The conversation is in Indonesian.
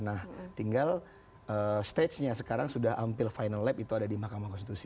nah tinggal stage nya sekarang sudah hampir final lab itu ada di mahkamah konstitusi